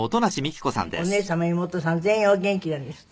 お姉さんも妹さんも全員お元気なんですって？